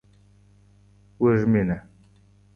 وږمینه